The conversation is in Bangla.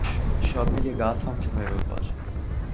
সব মিলিয়ে গা ছমছমানো ব্যাপার।